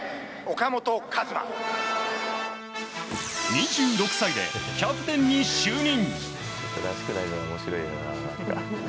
２６歳でキャプテンに就任。